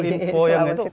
nah kalau info yang itu